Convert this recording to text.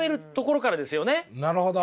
なるほど！